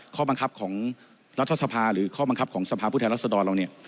ข้อบังคับของรัฐสภาหรือข้อบังคับของสภาพผู้แทนรัศดรเราเนี่ย